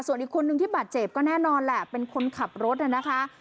ส่วนอีกคนนึงที่บาดเจ็บก็แน่นอนแหละเป็นคนขับรถน่ะนะคะ